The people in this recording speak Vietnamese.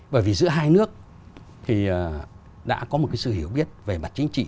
bởi vì giữa hai nước thì đã có một sự hiểu biết về mặt chính trị